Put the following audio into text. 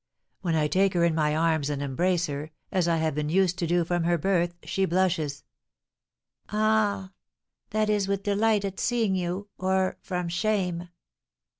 When I take her in my arms and embrace her, as I have been used to do from her birth, she blushes." "Ah, that is with delight at seeing you, or from shame."